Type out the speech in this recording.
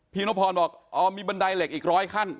พี่นพรบอกเอามีบันไดเหล็กอีก๑๐๐ขั้น